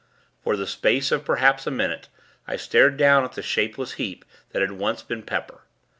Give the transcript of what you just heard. For the space of, perhaps a minute, I stared down at the shapeless heap, that had once been Pepper.